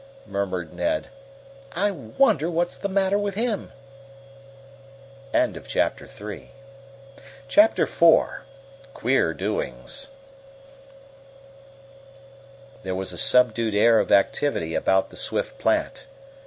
murmured Ned. "I wonder what's the matter with him!" Chapter IV Queer Doings There was a subdued air of activity about the Swift plant.